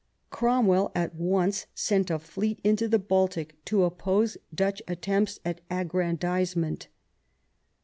Cromwell at once sent a fleet into the Baltic to oppose Dutch attempts at aggrandise ment.